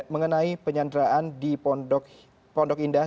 mengenai penyanderaan di pondok indah